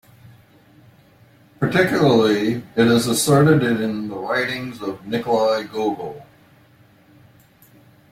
Particularly, it is asserted in the writings of Nikolai Gogol.